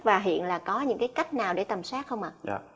và hiện là có những cái cách nào để tầm soát không ạ